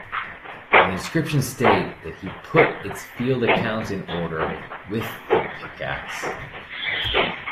The inscriptions state that he "put its field accounts in order" with the pick-axe.